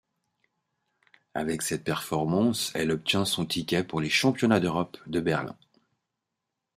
Avec cette performance elle obtient son ticket pour les Championnats d'Europe de Berlin.